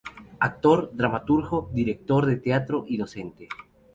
Actor, dramaturgo, director de teatro y docente.